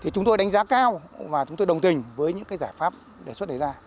chúng tôi đánh giá cao và chúng tôi đồng tình với những giải pháp đề xuất đẩy ra